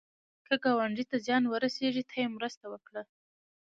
که ګاونډي ته زیان ورسېږي، ته یې مرسته وکړه